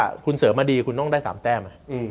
ถ้าคุณเสริมมาดีคุณต้องได้๓แต้ม